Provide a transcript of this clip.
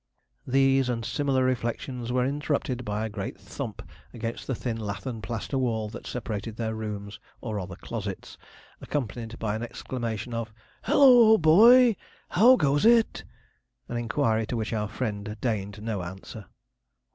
These and similar reflections were interrupted by a great thump against the thin lath and plaster wall that separated their rooms, or rather closets, accompanied by an exclamation of: 'HALLOO, OLD BOY! HOW GOES IT?' an inquiry to which our friend deigned no answer.